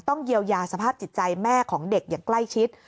เยียวยาสภาพจิตใจแม่ของเด็กอย่างใกล้ชิด